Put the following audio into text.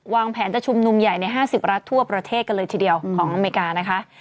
วางแผนจะชุมนุมใหญ่ใน๕๐รัฐทั่วประเทศกันเลยทีเดียวของอเมริกานะคะ